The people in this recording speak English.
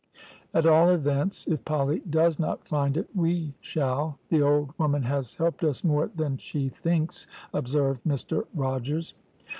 "`At all events, if Polly does not find it, we shall; the old woman has helped us more than she thinks,' observed Mr Rogers.